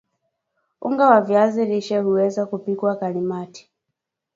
unga wa viazi lishe huweza kupikiwa kalimati